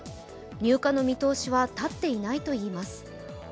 入荷の見通しは立っていないといいます。